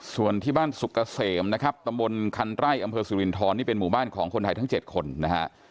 ส่วนที่บ้านสุกเกษมนะครับตำบลคันไร่อำเภอสุรินทรนี่เป็นหมู่บ้านของคนไทยทั้ง๗คนนะฮะ